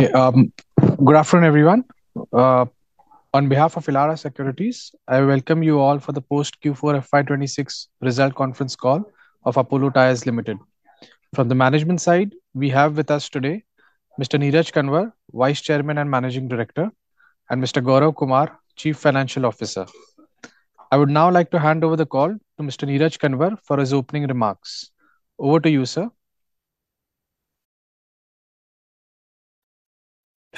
Okay, good afternoon, everyone. On behalf of Elara Securities, I welcome you all for the post Q4 FY 2026 result conference call of Apollo Tyres Limited. From the management side, we have with us today Mr. Neeraj Kanwar, Vice Chairman and Managing Director, and Mr. Gaurav Kumar, Chief Financial Officer. I would now like to hand over the call to Mr. Neeraj Kanwar for his opening remarks. Over to you, sir.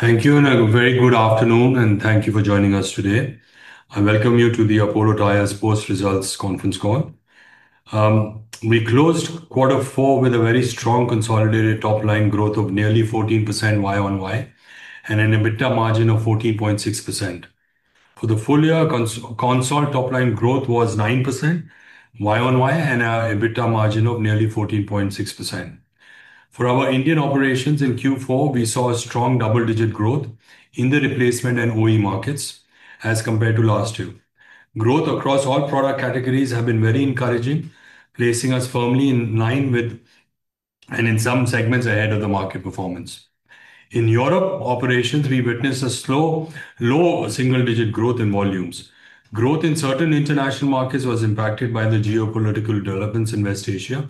Thank you, and a very good afternoon, and thank you for joining us today. I welcome you to the Apollo Tyres post-results conference call. We closed quarter four with a very strong consolidated top-line growth of nearly 14% YoY, and an EBITDA margin of 14.6%. For the full year consolidated top-line growth was 9% YoY, and our EBITDA margin of nearly 14.6%. For our Indian operations in Q4, we saw a strong double-digit growth in the replacement and OE markets as compared to last year. Growth across all product categories have been very encouraging, placing us firmly in line with, and in some segments ahead of, the market performance. In Europe operations, we witnessed a slow, low single-digit growth in volumes. Growth in certain international markets was impacted by the geopolitical developments in West Asia,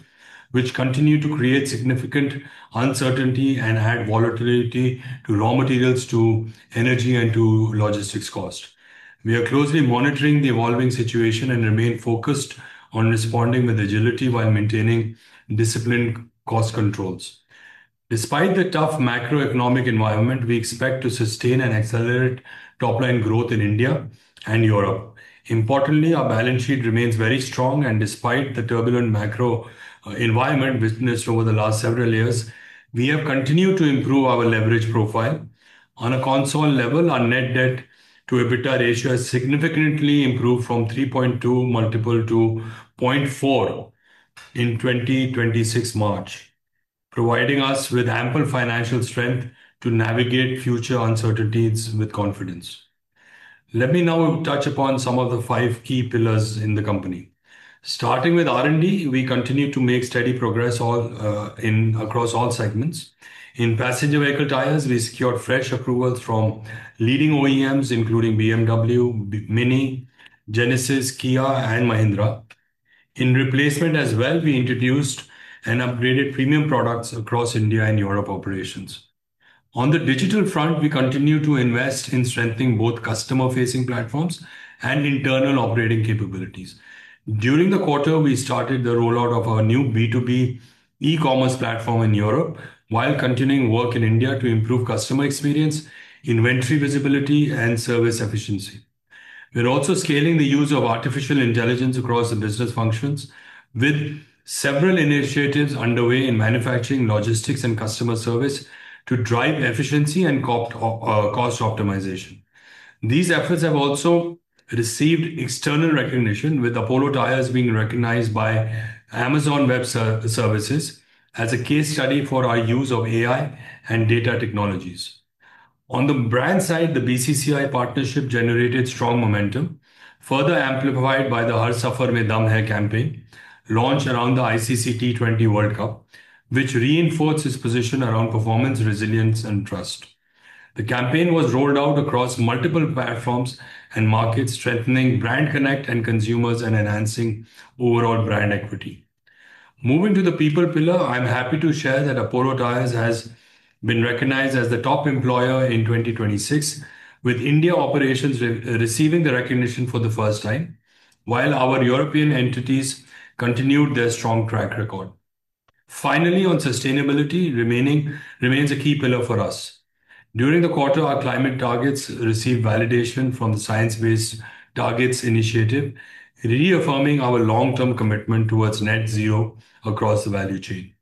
which continued to create significant uncertainty and add volatility to raw materials, to energy, and to logistics cost. We are closely monitoring the evolving situation and remain focused on responding with agility while maintaining disciplined cost controls. Despite the tough macroeconomic environment, we expect to sustain and accelerate top-line growth in India and Europe. Importantly, our balance sheet remains very strong, and despite the turbulent macro environment witnessed over the last several years, we have continued to improve our leverage profile. On a consolidated level, our net debt to EBITDA ratio has significantly improved from 3.2x multiple to 0.4x in 2026 March, providing us with ample financial strength to navigate future uncertainties with confidence. Let me now touch upon some of the five key pillars in the company. Starting with R&D, we continue to make steady progress all, in across all segments. In passenger vehicle tires, we secured fresh approvals from leading OEMs, including BMW, Mini, Genesis, Kia, and Mahindra. In replacement as well, we introduced and upgraded premium products across India and Europe operations. On the digital front, we continue to invest in strengthening both customer-facing platforms and internal operating capabilities. During the quarter, we started the rollout of our new B2B e-commerce platform in Europe while continuing work in India to improve customer experience, inventory visibility, and service efficiency. We're also scaling the use of artificial intelligence across the business functions with several initiatives underway in manufacturing, logistics, and customer service to drive efficiency and cost optimization. These efforts have also received external recognition, with Apollo Tyres being recognized by Amazon Web Services as a case study for our use of AI and data technologies. On the brand side, the BCCI partnership generated strong momentum, further amplified by the "Har Safar Mein Dum Hai" campaign launched around the ICC T20 World Cup, which reinforces position around performance, resilience, and trust. The campaign was rolled out across multiple platforms and markets, strengthening brand connect and consumers and enhancing overall brand equity. Moving to the people pillar, I'm happy to share that Apollo Tyres has been recognized as the top employer in 2026, with India operations receiving the recognition for the first time, while our European entities continued their strong track record. Finally, on sustainability remains a key pillar for us. During the quarter, our climate targets received validation from the Science-Based Targets initiative, reaffirming our long-term commitment towards net zero across the value chain.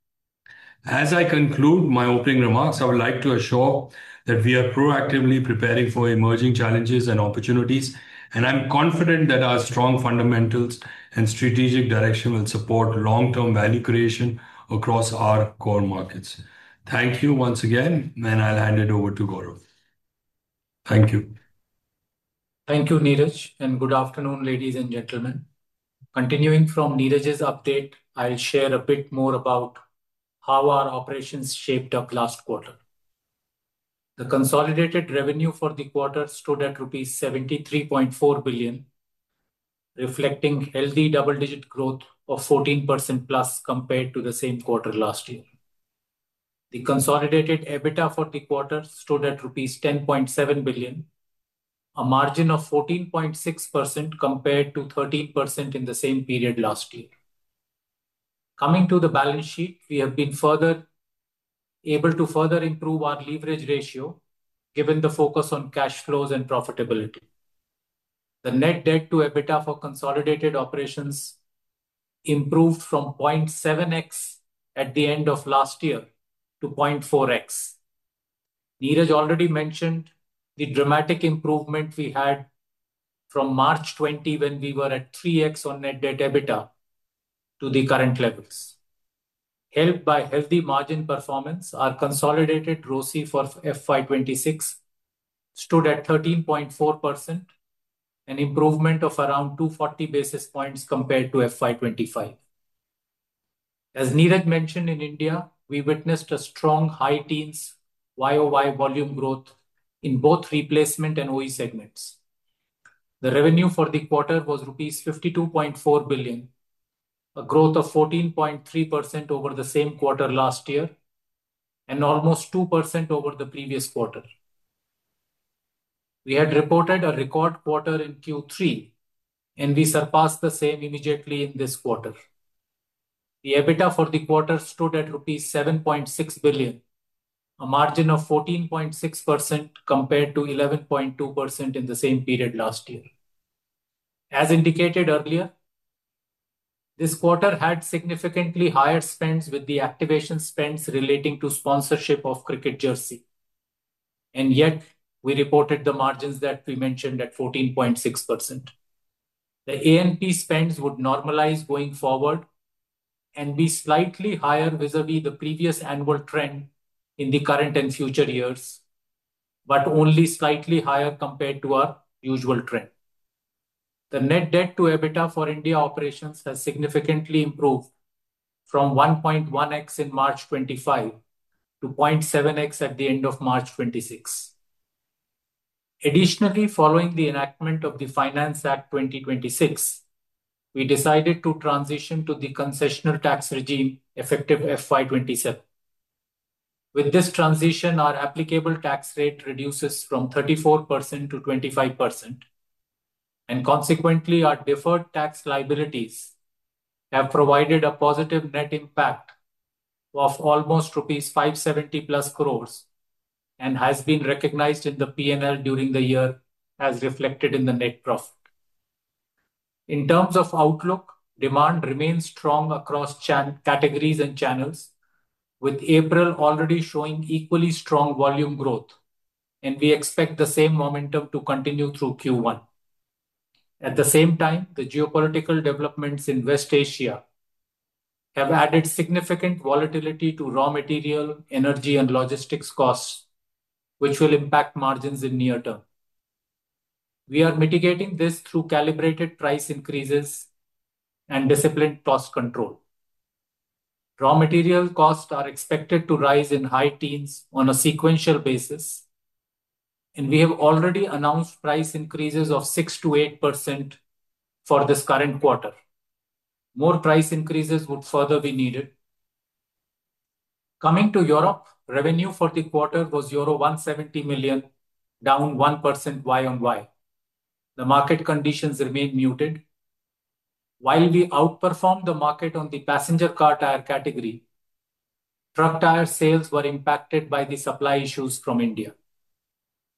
As I conclude my opening remarks, I would like to assure that we are proactively preparing for emerging challenges and opportunities, and I'm confident that our strong fundamentals and strategic direction will support long-term value creation across our core markets. Thank you once again, and I'll hand it over to Gaurav. Thank you. Thank you, Neeraj. Good afternoon, ladies and gentlemen. Continuing from Neeraj's update, I'll share a bit more about how our operations shaped up last quarter. The consolidated revenue for the quarter stood at rupees 73.4 billion, reflecting healthy double-digit growth of 14% plus compared to the same quarter last year. The consolidated EBITDA for the quarter stood at rupees 10.7 billion, a margin of 14.6% compared to 13% in the same period last year. Coming to the balance sheet, we have been further able to improve our leverage ratio given the focus on cash flows and profitability. The net debt to EBITDA for consolidated operations improved from 0.7x at the end of last year to 0.4x. Neeraj already mentioned the dramatic improvement we had from March 20, when we were at 3x on net debt EBITDA, to the current levels. Helped by healthy margin performance, our consolidated ROCE for FY 2026 stood at 13.4%, an improvement of around 240 basis points compared to FY 2025. As Neeraj mentioned, in India, we witnessed a strong high teens YoY volume growth in both replacement and OE segments. The revenue for the quarter was rupees 52.4 billion, a growth of 14.3% over the same quarter last year, and almost 2% over the previous quarter. We had reported a record quarter in Q3, and we surpassed the same immediately in this quarter. The EBITDA for the quarter stood at INR 7.6 billion, a margin of 14.6% compared to 11.2% in the same period last year. As indicated earlier, this quarter had significantly higher spends with the activation spends relating to sponsorship of cricket jersey, and yet we reported the margins that we mentioned at 14.6%. The A&P spends would normalize going forward and be slightly higher vis-à-vis the previous annual trend in the current and future years, but only slightly higher compared to our usual trend. The net debt to EBITDA for India operations has significantly improved from 1.1x in March 2025 to 0.7x at the end of March 2026. Additionally, following the enactment of the Finance Act 2026, we decided to transition to the concessional tax regime effective FY 2027. With this transition, our applicable tax rate reduces from 34% to 25%, and consequently, our deferred tax liabilities have provided a positive net impact of almost rupees 570+ crores, and has been recognized in the P&L during the year as reflected in the net profit. In terms of outlook, demand remains strong across categories and channels, with April already showing equally strong volume growth. We expect the same momentum to continue through Q1. At the same time, the geopolitical developments in West Asia have added significant volatility to raw material, energy and logistics costs, which will impact margins in near term. We are mitigating this through calibrated price increases and disciplined cost control. Raw material costs are expected to rise in high teens on a sequential basis. We have already announced price increases of 6%-8% for this current quarter. More price increases would further be needed. Coming to Europe, revenue for the quarter was euro 170 million, down 1% YoY. The market conditions remain muted. While we outperformed the market on the passenger car tire category, truck tire sales were impacted by the supply issues from India.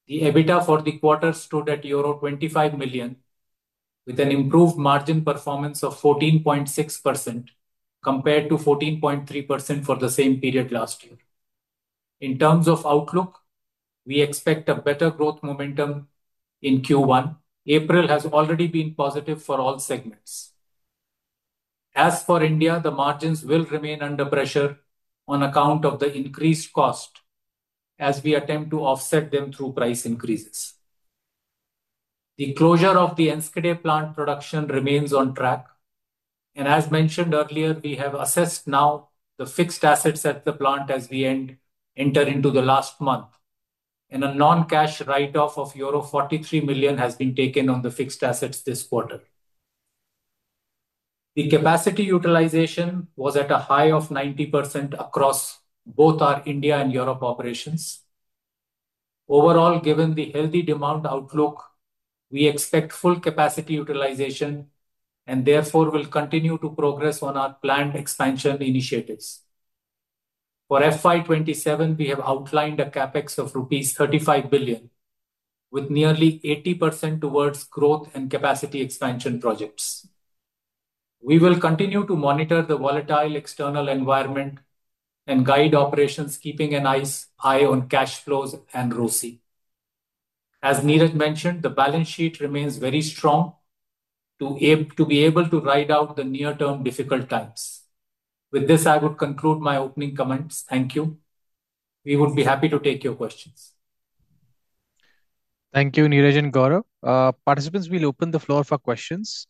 The EBITDA for the quarter stood at euro 25 million, with an improved margin performance of 14.6% compared to 14.3% for the same period last year. In terms of outlook, we expect a better growth momentum in Q1. April has already been positive for all segments. As for India, the margins will remain under pressure on account of the increased cost as we attempt to offset them through price increases. The closure of the Enschede plant production remains on track. As mentioned earlier, we have assessed now the fixed assets at the plant as we enter into the last month. A non-cash write-off of euro 43 million has been taken on the fixed assets this quarter. The capacity utilization was at a high of 90% across both our India and Europe operations. Overall, given the healthy demand outlook, we expect full capacity utilization and therefore will continue to progress on our planned expansion initiatives. For FY 2027, we have outlined a CapEx of rupees 35 billion, with nearly 80% towards growth and capacity expansion projects. We will continue to monitor the volatile external environment and guide operations, keeping an eye on cash flows and ROCE. As Neeraj mentioned, the balance sheet remains very strong to be able to ride out the near-term difficult times. With this, I would conclude my opening comments. Thank you. We would be happy to take your questions. Thank you, Neeraj and Gaurav. Participants, we'll open the floor for questions.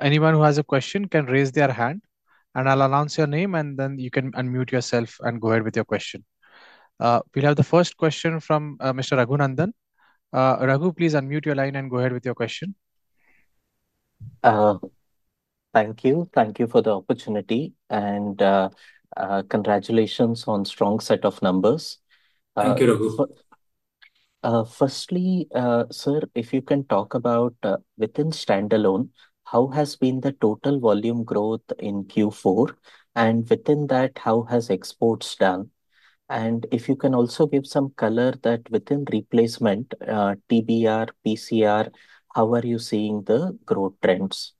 Anyone who has a question can raise their hand, and I'll announce your name, and then you can unmute yourself and go ahead with your question. We'll have the first question from Mr. Raghu Nandan. Raghu, please unmute your line and go ahead with your question. Thank you. Thank you for the opportunity, and congratulations on strong set of numbers. Thank you, Raghu. Firstly, sir, if you can talk about, within standalone, how has been the total volume growth in Q4? Within that, how has exports done? If you can also give some color that within replacement, TBR, PCR, how are you seeing the growth trends?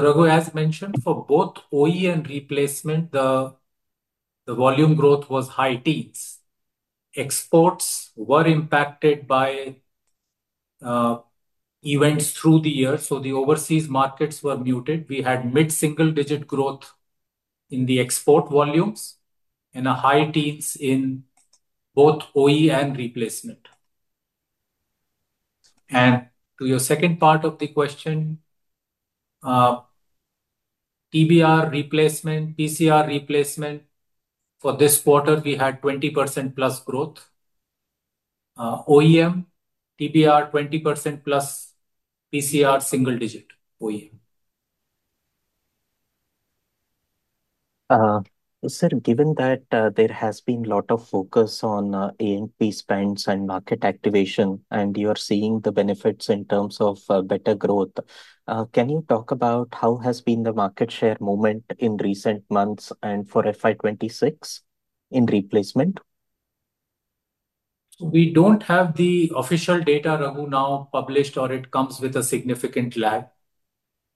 Raghu, as mentioned, for both OE and replacement, the volume growth was high teens. Exports were impacted by events through the year, so the overseas markets were muted. We had mid-single digit growth in the export volumes and a high teens in both OE and replacement. To your second part of the question, TBR replacement, PCR replacement for this quarter, we had 20% plus growth. OEM, TBR 20% plus, PCR single digit OEM. Sir, given that there has been lot of focus on A&P spends and market activation, and you are seeing the benefits in terms of better growth, can you talk about how has been the market share movement in recent months and for FY 2026 in replacement? We don't have the official data, Raghu, now published or it comes with a significant lag.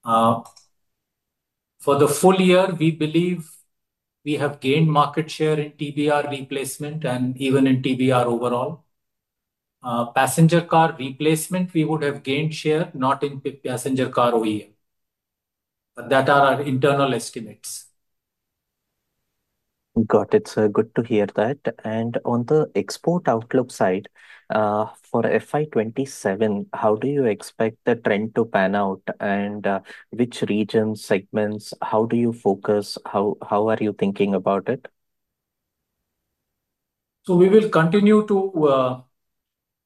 For the full year, we believe we have gained market share in TBR replacement and even in TBR overall. Passenger car replacement we would have gained share, not in passenger car OEM. That are our internal estimates. Got it. Good to hear that. On the export outlook side, for FY 2027, how do you expect the trend to pan out and, which regions, segments, how do you focus? How are you thinking about it? We will continue to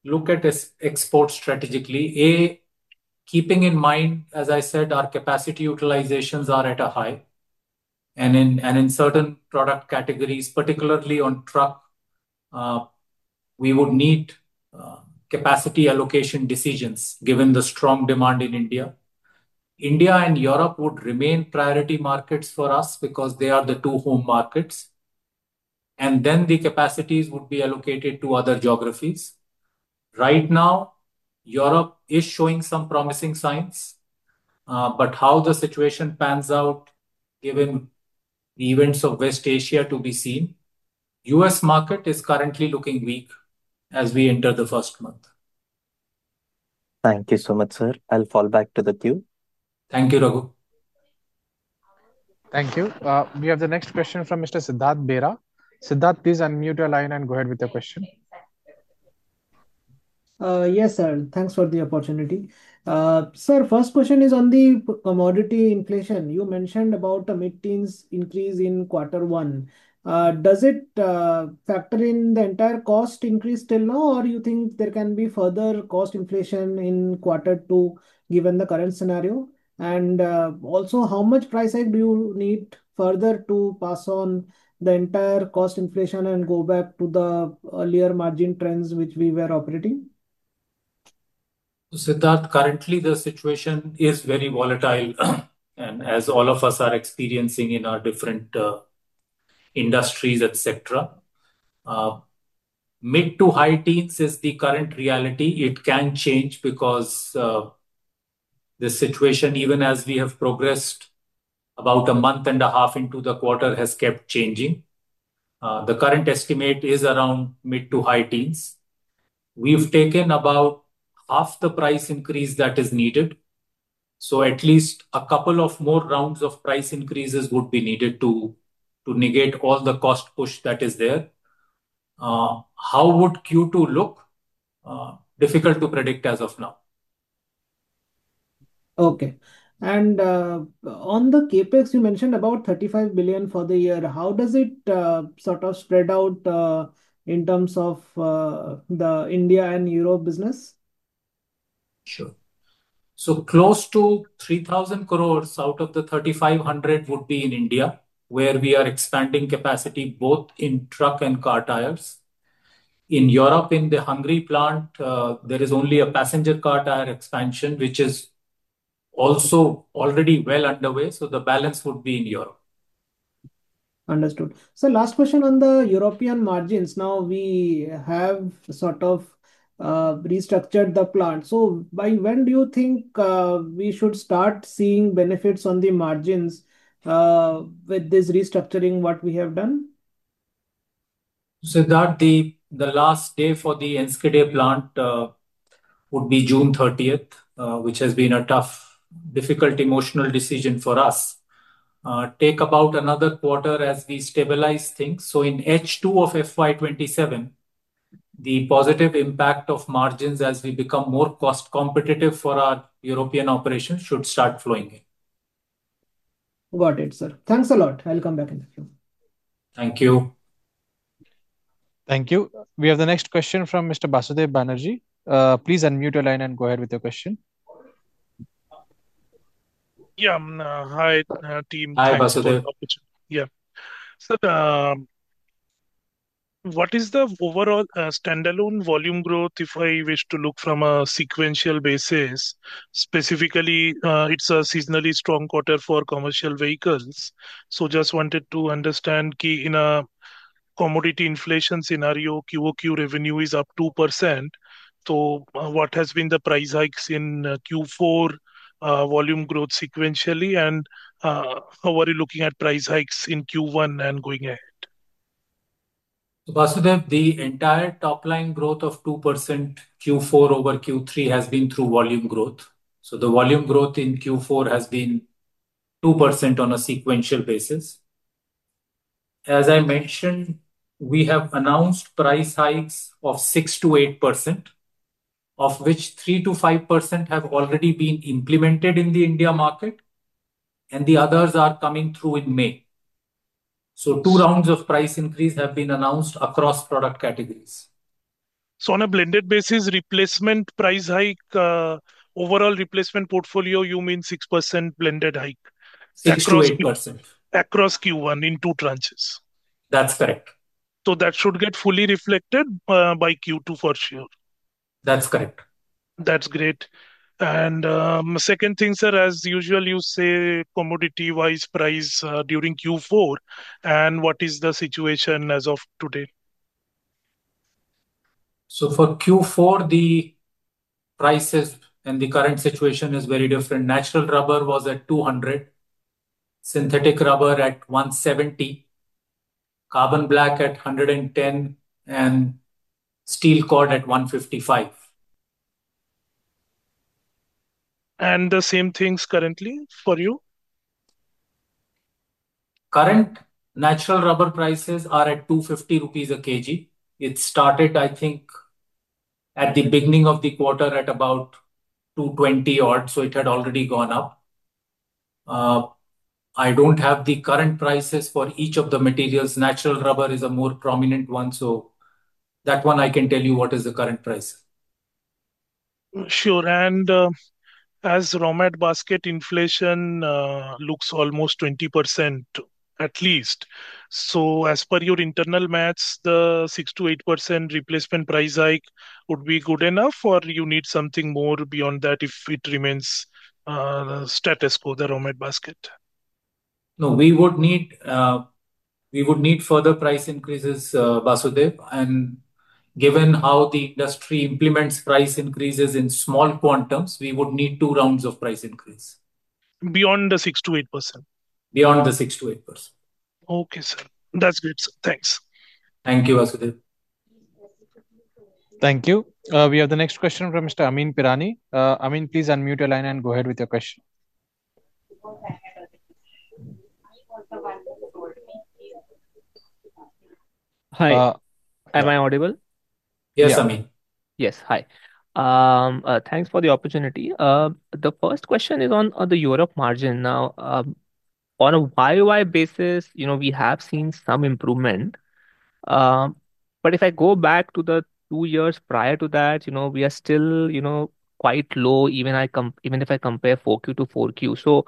look at exports strategically. Keeping in mind, as I said, our capacity utilizations are at a high. In certain product categories, particularly on truck, we would need capacity allocation decisions given the strong demand in India. India and Europe would remain priority markets for us because they are the two home markets. The capacities would be allocated to other geographies. Right now, Europe is showing some promising signs, but how the situation pans out given the events of West Asia to be seen. U.S. market is currently looking weak as we enter the first month. Thank you so much, sir. I will fall back to the queue. Thank you, Raghu. Thank you. We have the next question from Mr. Siddhartha Bera. Siddhartha, please unmute your line and go ahead with your question. Yes, sir. Thanks for the opportunity. Sir, first question is on the commodity inflation. You mentioned about a mid-teens increase in quarter one. Does it factor in the entire cost increase till now, or you think there can be further cost inflation in quarter two given the current scenario? Also how much price hike do you need further to pass on the entire cost inflation and go back to the earlier margin trends which we were operating? Siddhartha, currently the situation is very volatile and as all of us are experiencing in our different industries, et cetera. Mid to high teens is the current reality. It can change because the situation, even as we have progressed about a month and a half into the quarter, has kept changing. The current estimate is around mid to high teens. We've taken about half the price increase that is needed, so at least a couple of more rounds of price increases would be needed to negate all the cost push that is there. How would Q2 look? Difficult to predict as of now. Okay. On the CapEx, you mentioned about 35 billion for the year. How does it sort of spread out in terms of the India and Europe business? Sure. Close to 3,000 crores out of the 3,500 crores would be in India, where we are expanding capacity both in truck and car tires. In Europe, in the Hungary plant, there is only a passenger car tire expansion, which is also already well underway, so the balance would be in Europe. Understood. Last question on the European margins. Now, we have sort of restructured the plant. By when do you think we should start seeing benefits on the margins with this restructuring what we have done? Siddharth, the last day for the Enschede plant would be June 30th, which has been a tough, difficult emotional decision for us. Take about another quarter as we stabilize things. In H2 of FY 2027, the positive impact of margins as we become more cost competitive for our European operations should start flowing in. Got it, sir. Thanks a lot. I'll come back in the queue. Thank you. Thank you. We have the next question from Mr. Basudeb Banerjee. Please unmute your line and go ahead with your question. Yeah. Hi, team. Hi, Basudeb. Thanks for the opportunity. What is the overall standalone volume growth if I wish to look from a sequential basis? Specifically, it's a seasonally strong quarter for commercial vehicles, just wanted to understand, given a commodity inflation scenario, QOQ revenue is up 2%, what has been the price hikes in Q4, volume growth sequentially, and how are you looking at price hikes in Q1 and going ahead? Basudeb, the entire top line growth of 2% Q4 over Q3 has been through volume growth. The volume growth in Q4 has been 2% on a sequential basis. As I mentioned, we have announced price hikes of 6%-8%, of which 3%-5% have already been implemented in the India market, and the others are coming through in May. Yes. Two rounds of price increase have been announced across product categories. on a blended basis, replacement price hike, overall replacement portfolio, you mean 6% blended hike across Q- 6%-8%. across Q1 in two tranches? That's correct. That should get fully reflected by Q2 for sure. That's correct. That's great. Second thing, sir, as usual you say commodity-wise price, during Q4, and what is the situation as of today? For Q4, the prices and the current situation is very different. Natural rubber was at 200, synthetic rubber at 170, carbon black at 110, and steel cord at 155. The same things currently for you? Current natural rubber prices are at 250 rupees a kg. It started, I think, at the beginning of the quarter at about 220 odd, so it had already gone up. I don't have the current prices for each of the materials. Natural rubber is a more prominent one, so that one I can tell you what is the current price. Sure. raw mat basket inflation looks almost 20% at least. as per your internal math, the 6%-8% replacement price hike would be good enough or you need something more beyond that if it remains status quo, the raw mat basket? No, we would need further price increases, Basudeb. Given how the industry implements price increases in small quantums, we would need two rounds of price increase. Beyond the 6%-8%? Beyond the 6%-8%. Okay, sir. That's good, sir. Thanks. Thank you, Basudeb. Thank you. We have the next question from Mr. Amyn Pirani. Amyn, please unmute your line and go ahead with your question. Hi. Am I audible? Yes, Amyn. Yes. Hi. Thanks for the opportunity. The first question is on the Europe margin. Now, on a YoY basis, you know, we have seen some improvement. If I go back to the two years prior to that, you know, we are still, you know, quite low even if I compare 4Q to 4Q.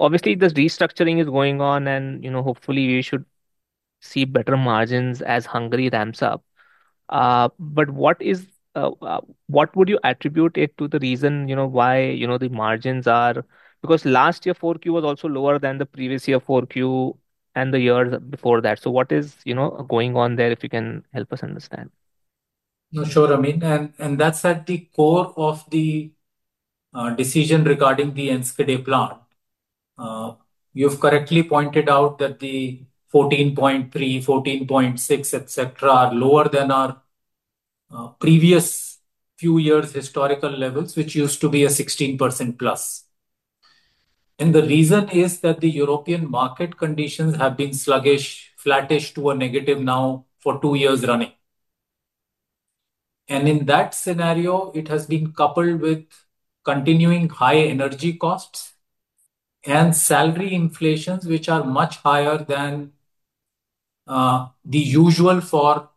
Obviously this restructuring is going on and, you know, hopefully we should see better margins as Hungary ramps up. What would you attribute it to the reason, you know, why, you know, the margins are Because last year 4Q was also lower than the previous year 4Q and the years before that. What is, you know, going on there if you can help us understand? No, sure, Amyn. That's at the core of the decision regarding the Enschede plant. You've correctly pointed out that the 14.3, 14.6, et cetera, are lower than our previous few years' historical levels, which used to be a 16%+. The reason is that the European market conditions have been sluggish, flattish to a negative now for two years running. In that scenario, it has been coupled with continuing high energy costs and salary inflations, which are much higher than the usual for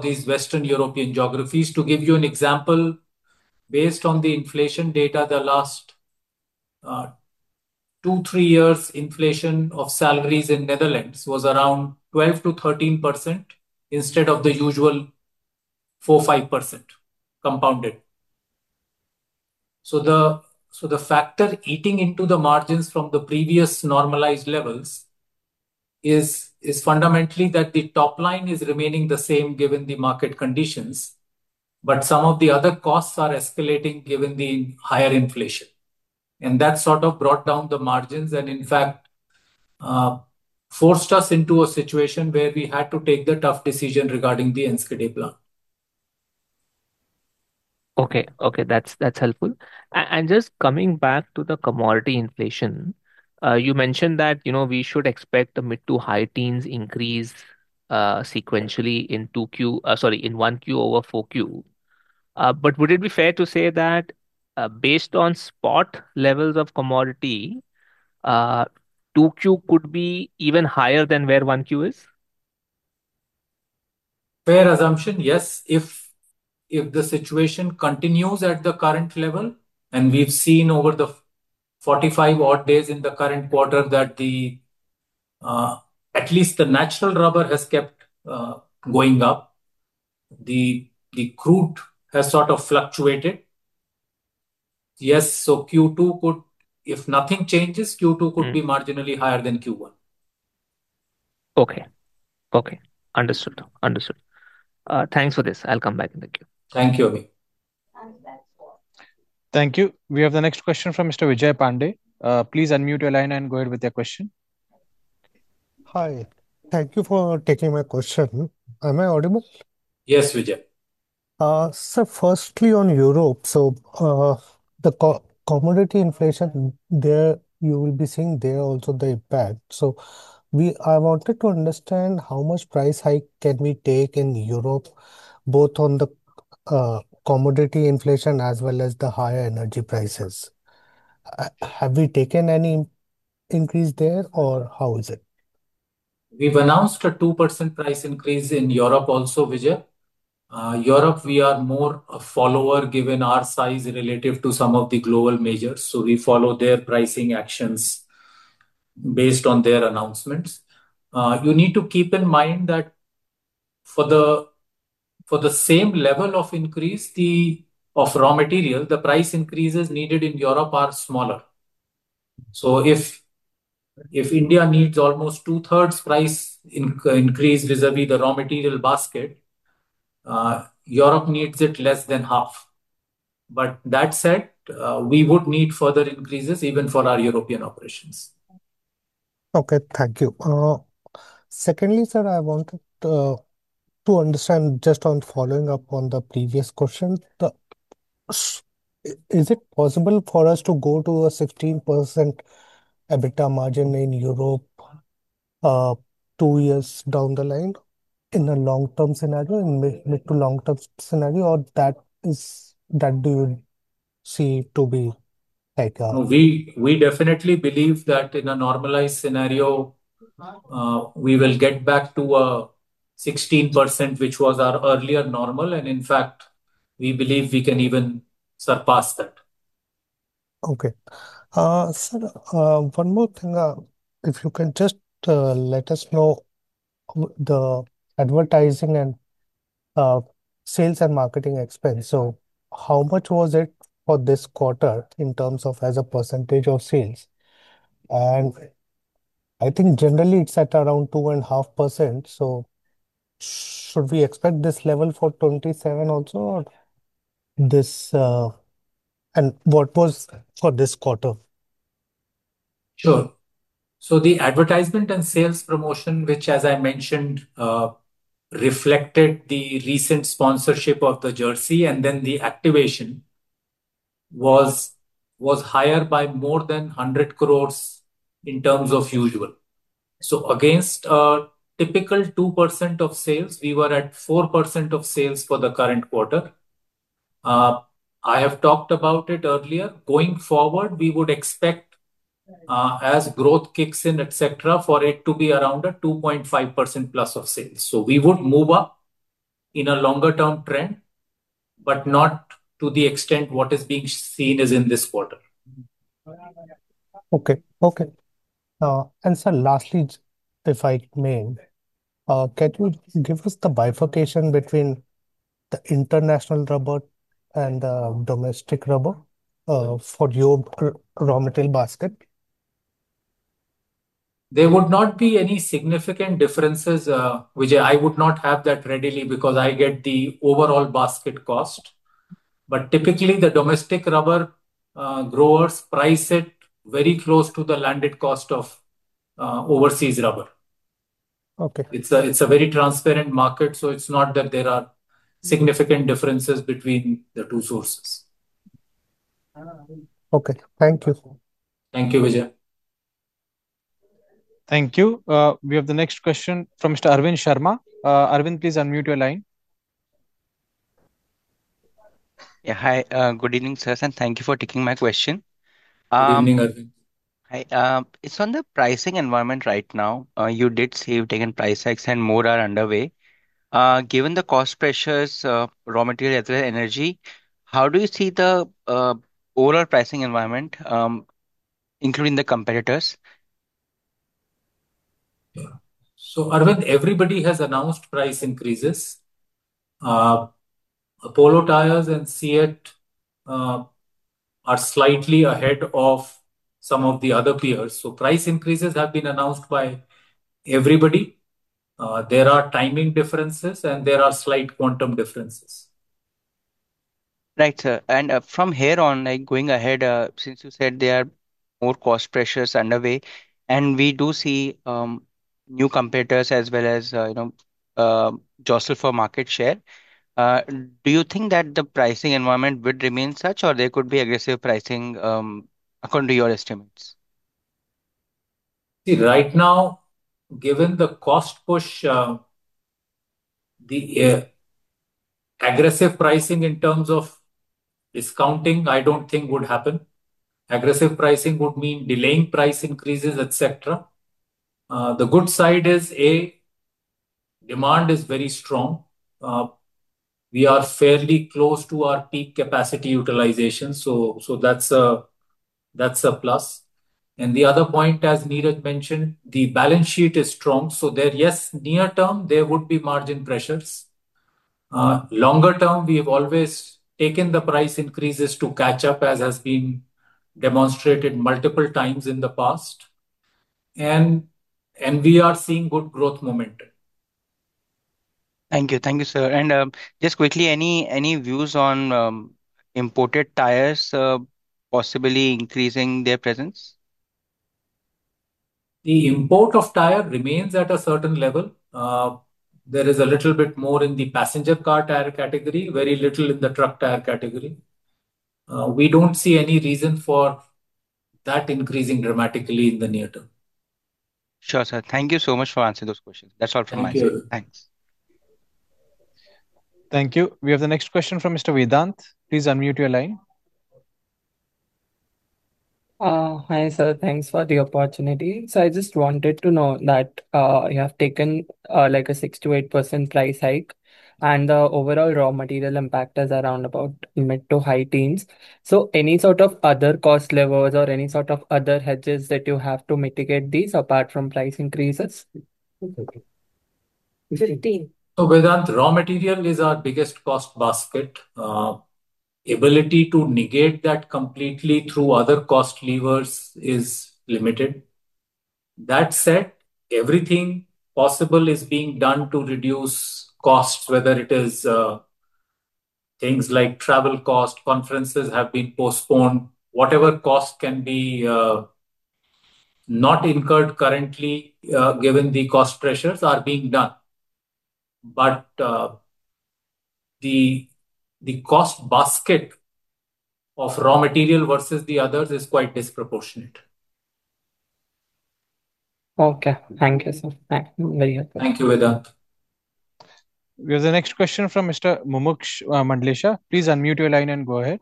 these Western European geographies. To give you an example, based on the inflation data, the last two, three years inflation of salaries in Netherlands was around 12%-13% instead of the usual 4%, 5% compounded. The factor eating into the margins from the previous normalized levels is fundamentally that the top line is remaining the same given the market conditions, but some of the other costs are escalating given the higher inflation. That sort of brought down the margins and, in fact, forced us into a situation where we had to take the tough decision regarding the Enschede plant. Okay. That's helpful. Just coming back to the commodity inflation, you mentioned that, you know, we should expect a mid to high teens increase sequentially in 2Q, sorry, in 1Q over 4Q. Would it be fair to say that, based on spot levels of commodity, 2Q could be even higher than where 1Q is? Fair assumption, yes. If the situation continues at the current level, we've seen over the 45 odd days in the current quarter that the at least the natural rubber has kept going up. The crude has sort of fluctuated. Yes. If nothing changes, Q2 could- be marginally higher than Q1. Okay. Understood. Thanks for this. I'll come back in the queue. Thank you, Amyn. Thank you. We have the next question from Mr. Vijay Pandey. Please unmute your line and go ahead with your question. Hi. Thank you for taking my question. Am I audible? Yes, Vijay. Firstly on Europe. The commodity inflation there, you will be seeing there also the impact. I wanted to understand how much price hike can we take in Europe, both on the commodity inflation as well as the higher energy prices. Have we taken any increase there or how is it? We've announced a 2% price increase in Europe also, Vijay Pandey. Europe, we are more a follower given our size relative to some of the global majors. We follow their pricing actions based on their announcements. You need to keep in mind that for the same level of increase, the of raw material, the price increases needed in Europe are smaller. If India needs almost two-thirds price increase vis-a-vis the raw material basket, Europe needs it less than half. That said, we would need further increases even for our European operations. Okay, thank you. Secondly, sir, I wanted to understand just on following up on the previous question. Is it possible for us to go to a 16% EBITDA margin in Europe, two years down the line in a long-term scenario, in mid to long-term scenario, or that do you see to be like? No, we definitely believe that in a normalized scenario, we will get back to, 16%, which was our earlier normal. In fact, we believe we can even surpass that. Okay. Sir, one more thing. If you can just let us know the advertising and sales and marketing expense. How much was it for this quarter in terms of as a percentage of sales? I think generally it's at around 2.5%, should we expect this level for FY 2027 also? What was for this quarter? Sure. The advertisement and sales promotion, which as I mentioned, reflected the recent sponsorship of the jersey and then the activation, was higher by more than 100 crores in terms of usual. Against a typical 2% of sales, we were at 4% of sales for the current quarter. I have talked about it earlier. Going forward, we would expect as growth kicks in, et cetera, for it to be around a 2.5% plus of sales. We would move up in a longer term trend, but not to the extent what is being seen as in this quarter. Okay. Okay. Sir, lastly, if I may, can you give us the bifurcation between the international rubber and the domestic rubber, for your raw material basket? There would not be any significant differences, Vijay. I would not have that readily because I get the overall basket cost. Typically, the domestic rubber growers price it very close to the landed cost of overseas rubber. Okay. It's a very transparent market, so it's not that there are significant differences between the two sources. Okay. Thank you. Thank you, Vijay. Thank you. We have the next question from Mr. Arvind Sharma. Arvind, please unmute your line. Yeah, hi. good evening, sirs, and thank you for taking my question. Good evening, Arvind. Hi. It's on the pricing environment right now. You did say you've taken price hikes and more are underway. Given the cost pressures, raw material as well as energy, how do you see the overall pricing environment, including the competitors? Yeah. Arvind, everybody has announced price increases. Apollo Tyres and CEAT are slightly ahead of some of the other peers. Price increases have been announced by everybody. There are timing differences and there are slight quantum differences. Right, sir. From here on, like, going ahead, since you said there are more cost pressures underway, and we do see new competitors as well as, you know, jostle for market share, do you think that the pricing environment would remain such or there could be aggressive pricing, according to your estimates? See, right now, given the cost push, the aggressive pricing in terms of discounting, I don't think would happen. Aggressive pricing would mean delaying price increases, et cetera. The good side is, A, demand is very strong. We are fairly close to our peak capacity utilization, so that's a plus. The other point, as Neeraj mentioned, the balance sheet is strong. There, yes, near term, there would be margin pressures. Longer term, we have always taken the price increases to catch up, as has been demonstrated multiple times in the past. We are seeing good growth momentum. Thank you. Thank you, sir. Just quickly, any views on imported tires possibly increasing their presence? The import of tire remains at a certain level. There is a little bit more in the passenger car tire category, very little in the truck tire category. We don't see any reason for that increasing dramatically in the near term. Sure, sir. Thank you so much for answering those questions. That's all from my side. Thank you. Thanks. Thank you. We have the next question from Mr. Vedant. Please unmute your line. Hi sir. Thanks for the opportunity. I just wanted to know that you have taken like a 6%-8% price hike, and the overall raw material impact is around about mid to high teens. Any sort of other cost levers or any sort of other hedges that you have to mitigate these apart from price increases? Vedant, raw material is our biggest cost basket. Ability to negate that completely through other cost levers is limited. That said, everything possible is being done to reduce costs, whether it is, things like travel cost, conferences have been postponed. Whatever cost can be, not incurred currently, given the cost pressures are being done. The cost basket of raw material versus the others is quite disproportionate. Okay. Thank you, sir. Thank you very much. Thank you, Vedant. We have the next question from Mr. Mumuksh Mandlesha. Please unmute your line and go ahead.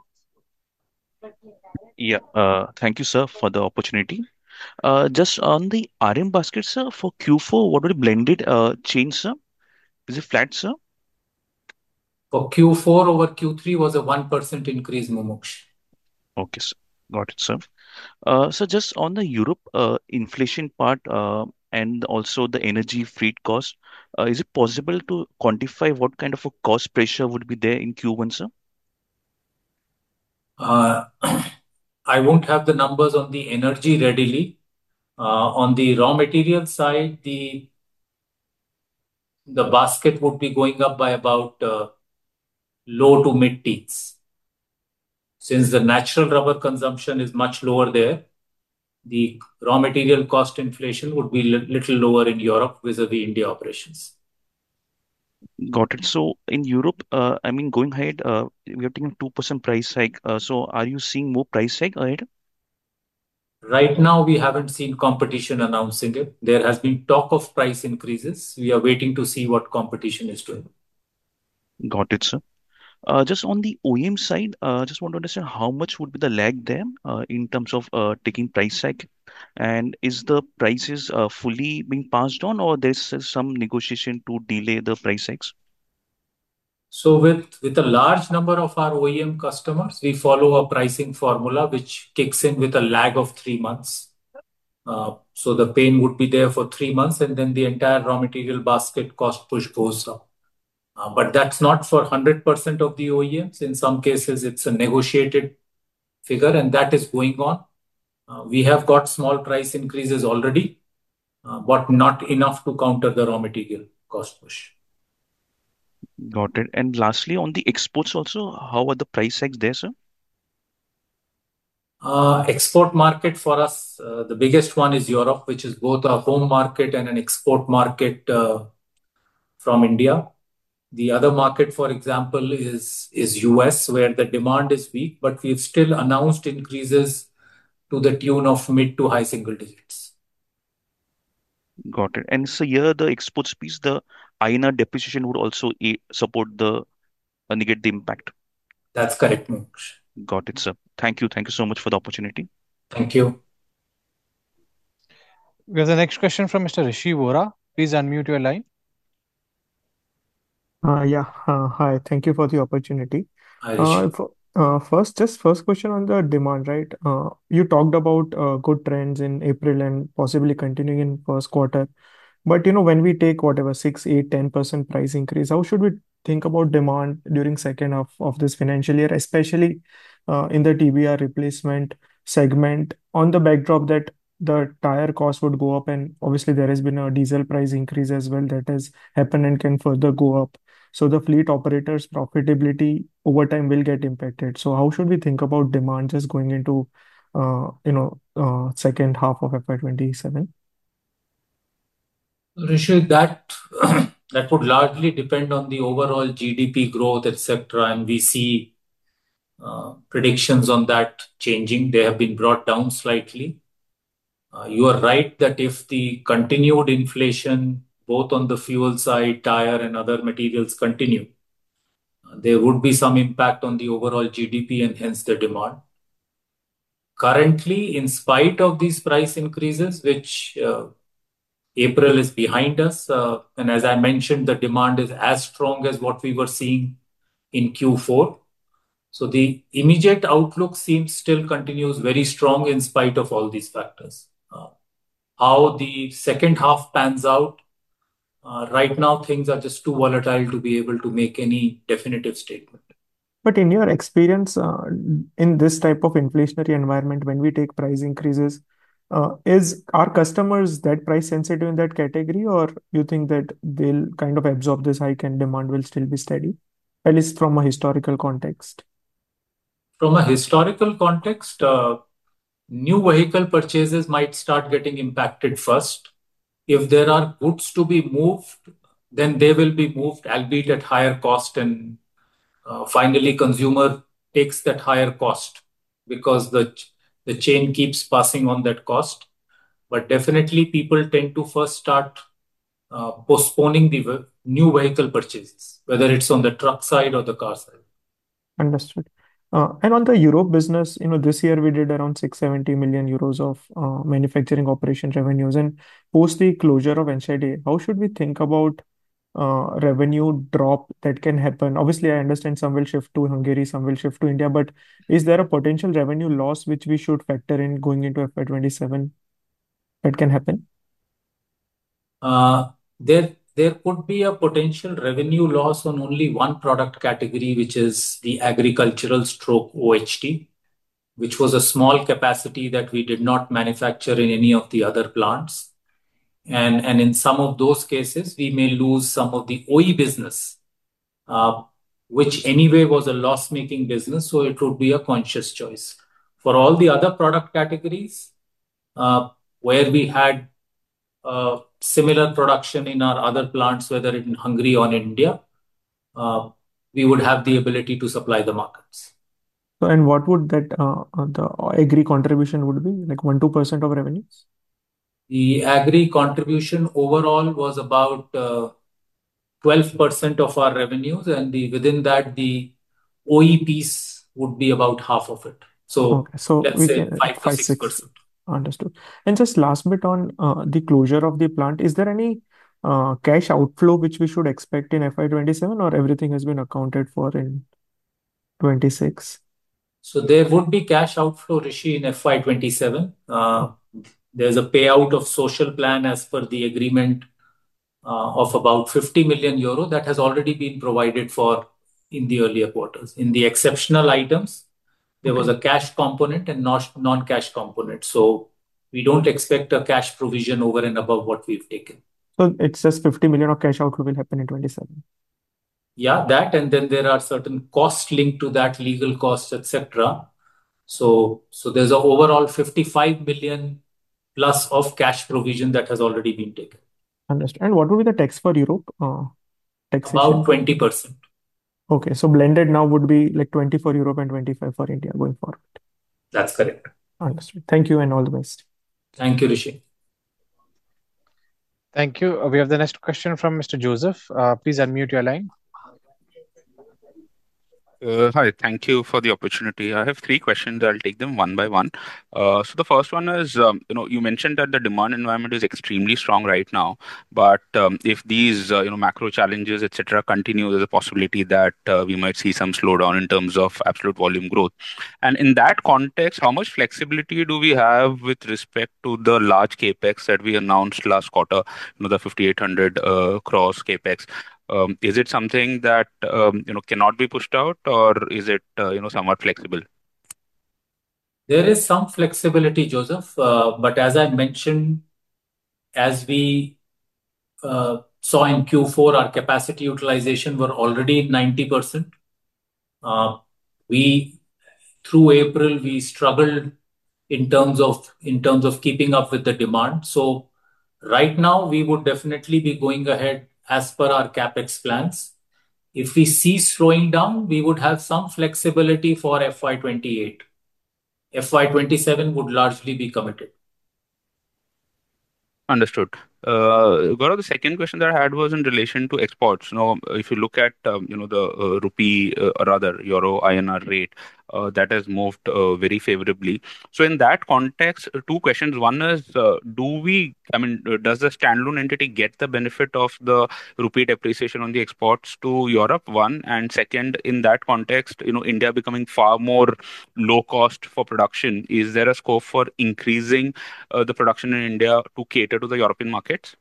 Thank you sir, for the opportunity. Just on the RM basket sir, for Q4, what were the blended change, sir? Is it flat, sir? For Q4 over Q3 was a 1% increase, Mumuksh. Okay, sir. Got it, sir. Just on the Europe, inflation part, and also the energy freight cost, is it possible to quantify what kind of a cost pressure would be there in Q1, sir? I won't have the numbers on the energy readily. On the raw material side, the basket would be going up by about low to mid-teens. Since the natural rubber consumption is much lower there, the raw material cost inflation would be little lower in Europe vis-a-vis India operations. Got it. In Europe, I mean, going ahead, we are taking a 2% price hike. Are you seeing more price hike ahead? Right now we haven't seen competition announcing it. There has been talk of price increases. We are waiting to see what competition is doing. Got it, sir. Just on the OEM side, just want to understand how much would be the lag there, in terms of taking price hike. Is the prices fully being passed on, or there's some negotiation to delay the price hikes? With a large number of our OEM customers, we follow a pricing formula which kicks in with a lag of three months. The pain would be there for three months, and then the entire raw material basket cost push goes up. That's not for a 100% of the OEMs. In some cases it's a negotiated figure, and that is going on. We have got small price increases already, not enough to counter the raw material cost push. Got it. Lastly, on the exports also, how are the price hikes there, sir? Export market for us, the biggest one is Europe, which is both our home market and an export market from India. The other market, for example, is U.S. where the demand is weak, but we've still announced increases to the tune of mid to high single digits. Got it. here the exports piece, the INR depreciation would also support to negate the impact? That's correct, Mumuksh. Got it, sir. Thank you. Thank you so much for the opportunity. Thank you. We have the next question from Mr. Rishi Vora. Please unmute your line. Yeah. Hi. Thank you for the opportunity. Hi, Rishi. First, just first question on the demand, right? You talked about good trends in April and possibly continuing in first quarter. You know, when we take whatever 6%, 8%, 10% price increase, how should we think about demand during second half of this financial year, especially in the TBR replacement segment on the backdrop that the tire cost would go up, and obviously there has been a diesel price increase as well that has happened and can further go up. The fleet operators profitability over time will get impacted. How should we think about demand just going into, you know, second half of FY 2027? Rishi, that would largely depend on the overall GDP growth, et cetera. We see predictions on that changing. They have been brought down slightly. You are right that if the continued inflation, both on the fuel side, tire, and other materials continue, there would be some impact on the overall GDP and hence the demand. Currently, in spite of these price increases, which April is behind us, and as I mentioned, the demand is as strong as what we were seeing in Q4. The immediate outlook seems still continues very strong in spite of all these factors. How the second half pans out, right now things are just too volatile to be able to make any definitive statement. In your experience, in this type of inflationary environment, when we take price increases, is our customers that price sensitive in that category, or you think that they'll kind of absorb this hike and demand will still be steady, at least from a historical context? From a historical context, new vehicle purchases might start getting impacted first. If there are goods to be moved, they will be moved, albeit at higher cost and finally consumer takes that higher cost because the chain keeps passing on that cost. Definitely people tend to first start postponing the new vehicle purchases, whether it's on the truck side or the car side. Understood. On the Europe business, you know, this year we did around 670 million euros of manufacturing operation revenues. Post the closure of Enschede, how should we think about revenue drop that can happen? Obviously, I understand some will shift to Hungary, some will shift to India. Is there a potential revenue loss which we should factor in going into FY 2027 that can happen? There, there could be a potential revenue loss on only one product category, which is the agricultural stroke OHT, which was a small capacity that we did not manufacture in any of the other plants. And in some of those cases, we may lose some of the OE business, which anyway was a loss-making business, so it would be a conscious choice. For all the other product categories, where we had similar production in our other plants, whether in Hungary or in India, we would have the ability to supply the markets. What would that the agri contribution would be? Like 1, 2% of revenues? The agri contribution overall was about, 12% of our revenues, and within that, the OE piece would be about half of it. Okay. Let's say 5%-6%. 5%, 6%. Understood. Just last bit on, the closure of the plant. Is there any cash outflow which we should expect in FY 2027, or everything has been accounted for in 2026? There would be cash outflow, Rishi, in FY 2027. There's a payout of social plan as per the agreement, of about 50 million euro that has already been provided for in the earlier quarters, in the exceptional items. Okay There was a cash component and non-cash component. We don't expect a cash provision over and above what we've taken. It's just 50 million of cash outflow will happen in FY 2027. That, then there are certain costs linked to that, legal costs, et cetera. There's a overall 55 million plus of cash provision that has already been taken. Understood. What would be the tax for Europe. About 20%. Okay. Blended now would be like 20 for Europe and 25 for India going forward. That's correct. Understood. Thank you, and all the best. Thank you, Rishi. Thank you. We have the next question from Mr. Joseph. Please unmute your line. Hi. Thank you for the opportunity. I have three questions. I'll take them one by one. The first one is, you know, you mentioned that the demand environment is extremely strong right now. If these, you know, macro challenges, et cetera, continue, there's a possibility that we might see some slowdown in terms of absolute volume growth. In that context, how much flexibility do we have with respect to the large CapEx that we announced last quarter, you know, the 5,800 crore CapEx? Is it something that, you know, cannot be pushed out or is it, you know, somewhat flexible? There is some flexibility, Joseph. But as I mentioned, as we saw in Q4, our capacity utilization were already at 90%. Through April, we struggled in terms of keeping up with the demand. Right now we would definitely be going ahead as per our CapEx plans. If we cease slowing down, we would have some flexibility for FY 2028. FY 2027 would largely be committed. Understood. Gaurav, the second question that I had was in relation to exports. You know, if you look at, you know, the rupee, rather euro INR rate, that has moved very favorably. In that context, two questions. One is, I mean, does the standalone entity get the benefit of the rupee depreciation on the exports to Europe, one? Second, in that context, you know, India becoming far more low cost for production, is there a scope for increasing the production in India to cater to the European markets?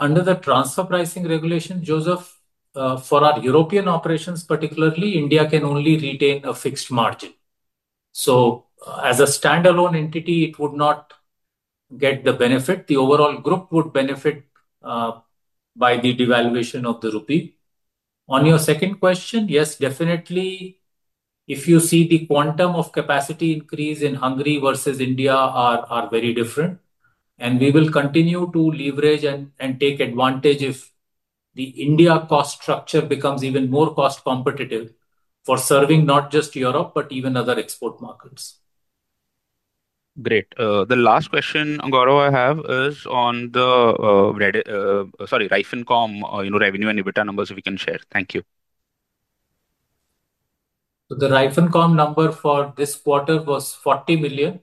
Under the transfer pricing regulation, Joseph, for our European operations particularly, India can only retain a fixed margin. As a standalone entity, it would not get the benefit. The overall group would benefit by the devaluation of the rupee. On your second question, yes, definitely. If you see the quantum of capacity increase in Hungary versus India are very different, and we will continue to leverage and take advantage if the India cost structure becomes even more cost competitive for serving not just Europe, but even other export markets. Great. The last question, Gaurav, I have is on the Reifen.com, you know, revenue and EBITDA numbers, if you can share. Thank you. The Reifen.com number for this quarter was 40 million,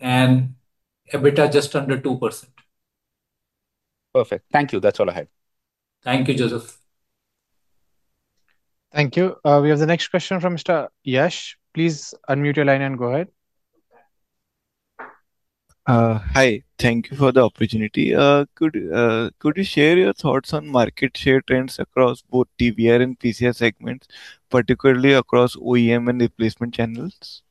and EBITDA just under 2%. Perfect. Thank you. That's all I had. Thank you, Joseph. Thank you. We have the next question from Mr. Yash. Please unmute your line and go ahead. Hi. Thank you for the opportunity. Could you share your thoughts on market share trends across both TBR and PCR segments, particularly across OEM and replacement channels?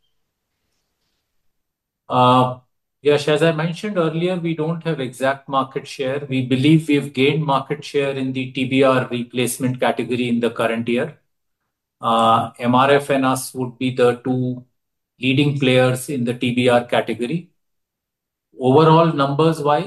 Yash, as I mentioned earlier, we don't have exact market share. We believe we have gained market share in the TBR replacement category in the current year. MRF and us would be the two leading players in the TBR category. [inaudible] Yeah. My second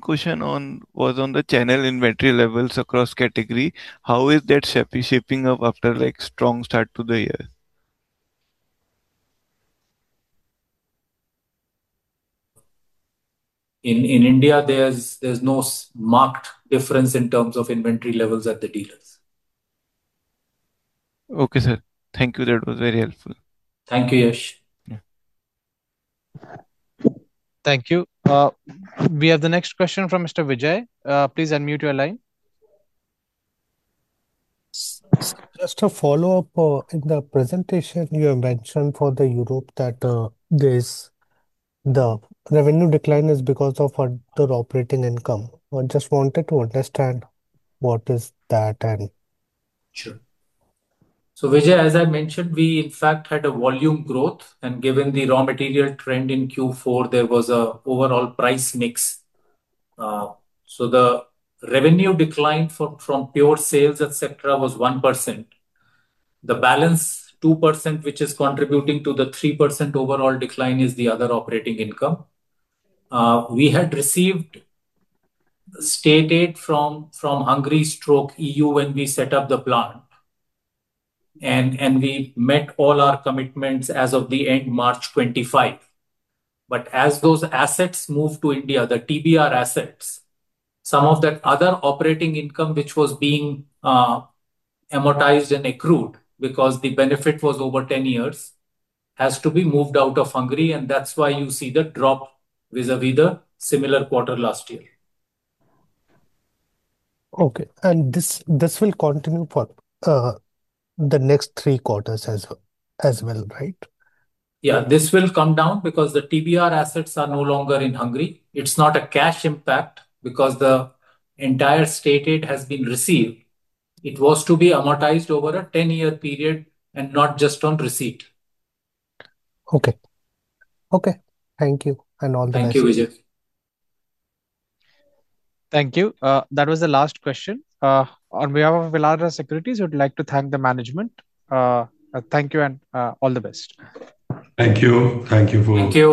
question on was on the channel inventory levels across category? How is that shaping up after, like, strong start to the year? In India, there's no marked difference in terms of inventory levels at the dealers. Okay, sir. Thank you. That was very helpful. Thank you, Yash. Yeah. Thank you. We have the next question from Mr. Vijay. Please unmute your line. Sir, just to follow up, in the presentation you have mentioned for Europe that there's the revenue decline is because of other operating income. I just wanted to understand what is that and? Sure. Vijay, as I mentioned, we in fact had a volume growth, and given the raw material trend in Q4, there was a overall price mix. The revenue decline for, from pure sales, et cetera, was 1%. The balance 2%, which is contributing to the 3% overall decline, is the other operating income. We had received state aid from Hungary or EU when we set up the plant. We met all our commitments as of the end March 2025. As those assets moved to India, the TBR assets, some of that other operating income which was being amortized and accrued because the benefit was over 10 years, has to be moved out of Hungary, and that's why you see the drop vis-a-vis the similar quarter last year. Okay. This will continue for the next three quarters as well, right? Yeah. This will come down because the TBR assets are no longer in Hungary. It's not a cash impact because the entire state aid has been received. It was to be amortized over a 10-year period and not just on receipt. Okay. Okay. Thank you, and all the best. Thank you, Vijay. Thank you. That was the last question. On behalf of Elara Securities, we'd like to thank the management. Thank you and all the best. Thank you. Thank you.